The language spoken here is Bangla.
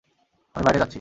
আমি বাইরে যাচ্ছি!